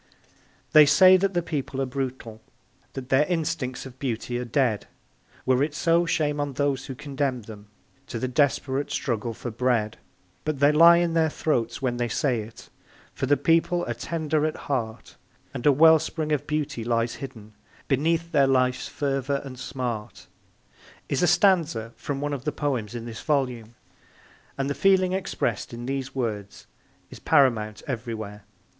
They say that the people are brutal That their instincts of beauty are dead Were it so, shame on those who condemn them To the desperate struggle for bread. But they lie in their throats when they say it, For the people are tender at heart, And a wellspring of beauty lies hidden Beneath their life's fever and smart, is a stanza from one of the poems in this volume, and the feeling expressed in these words is paramount everywhere.